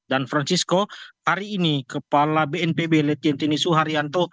dan francisco hari ini kepala bnpb letientini suharyanto